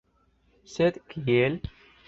Sed kiel?